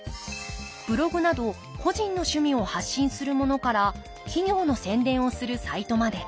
ブログなど個人の趣味を発信するものから企業の宣伝をするサイトまで。